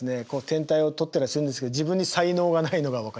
天体を撮ったりするんですけど自分に才能がないのが分かります。